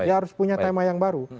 ya harus punya tema yang baru